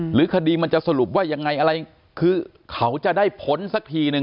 หรือคดีมันจะสรุปว่ายังไงอะไรคือเขาจะได้ผลสักทีนึง